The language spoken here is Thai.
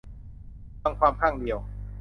ฟังความข้างเดียว